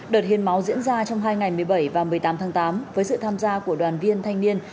đợt hiến máu diễn ra trong hai ngày một mươi bảy và một mươi tám tháng tám với sự tham gia của đoàn viên thanh niên